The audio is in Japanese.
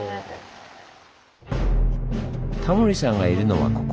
タモリさんがいるのはここ。